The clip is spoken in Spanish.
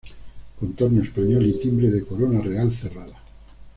Contorno español y timbre de corona real cerrada.